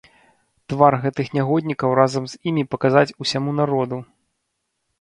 Твар гэтых нягоднікаў разам з імі паказаць усяму народу!